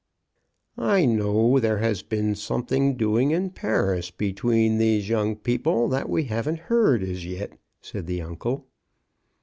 " I know that there has been something doing in Paris between these young people that we haven't heard as yet," said the uncle.